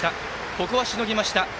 ここはしのぎました。